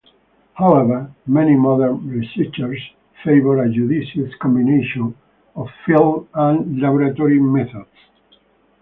However, many modern researchers favor a judicious combination of field and laboratory methods.